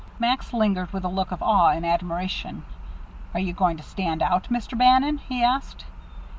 Max lingered, with a look of awe and admiration. "Are you going to stand out, Mr. Bannon?" he asked.